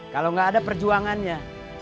kalau gak ada perjuangannya